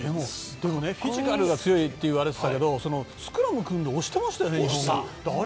フィジカルが強いと言われていたけどスクラム組んで押してましたよね。